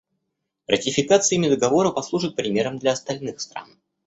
Ратификация ими Договора послужит примером для остальных стран.